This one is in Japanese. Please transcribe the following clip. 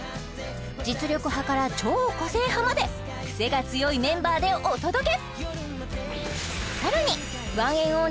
実力派から超個性派までクセが強いメンバーでお届け！